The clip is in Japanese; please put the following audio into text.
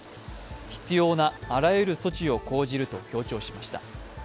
必要なあらゆる措置を講じると強調しました。